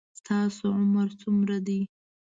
ستاسو عمر څومره ده